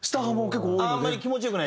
あんまり気持ち良くない？